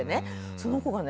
その子がね